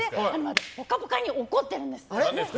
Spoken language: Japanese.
私、「ぽかぽか」に怒ってるんです。